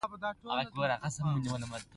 ما فکر کاوه چې په حرکت کې مې نشي ویشتلی